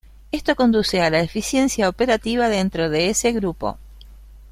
Esto conduce a la eficiencia operativa dentro de ese grupo.